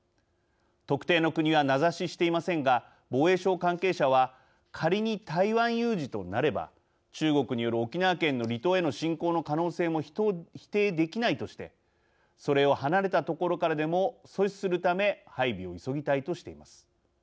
特定の国は名指ししていませんが防衛省関係者は仮に台湾有事となれば中国による沖縄県の離島への侵攻の可能性も否定できないとしてそれを離れた所からでも阻止するため配備を急ぎたいとしています。